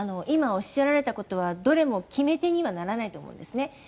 今、おっしゃられたことはどれも決め手にはならないと思うんですね。